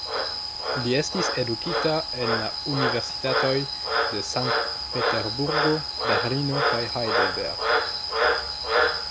Li estis edukita en la universitatoj de Sankt-Peterburgo, Berlino kaj Heidelberg.